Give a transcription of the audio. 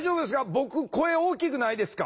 僕声大きくないですか？